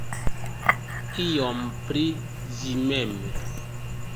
Iom pri vi mem.